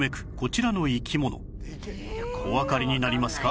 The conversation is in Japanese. おわかりになりますか？